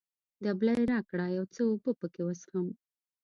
دبلی راکړه، یو څه اوبه پکښې وڅښم.